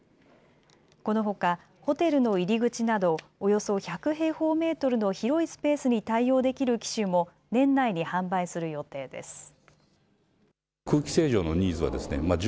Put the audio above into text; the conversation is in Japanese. このほかホテルの入り口などおよそ１００平方メートルの広いスペースに対応できる機種も年内に販売する予定です。